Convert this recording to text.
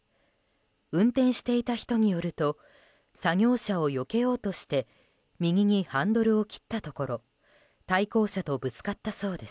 運転していた人によると作業車をよけようとして右にハンドルを切ったところ対向車とぶつかったそうです。